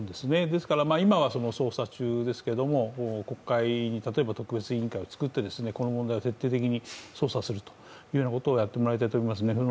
ですから今は、捜査中ですけれども国会に例えば特別委員会を作ってこの問題を徹底的に捜査するということをやってもらいたいと思いますね。